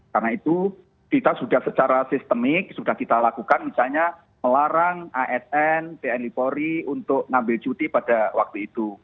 karena itu kita sudah secara sistemik sudah kita lakukan misalnya melarang asn tni polri untuk ngambil cuti pada waktu itu